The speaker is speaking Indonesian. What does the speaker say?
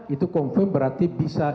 itu confirm berarti hasilnya ada begitu